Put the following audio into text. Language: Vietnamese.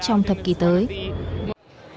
trong thập kỷ thứ ba